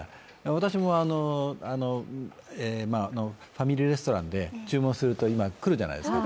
私もファミリーレストランで、注目すると今、来るじゃないですか。